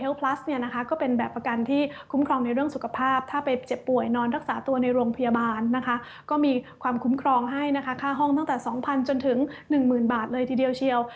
และถ้าเกิดว่าในโรงพยาบาลก็มีความคุ้มครองให้ค่าห้องตั้งแต่๒๐๐๐จนถึง๑๐๐๐บาทเลยทีเดียวเชียว